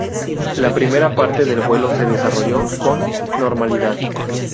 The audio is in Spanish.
La primera parte del vuelo se desarrolló con normalidad.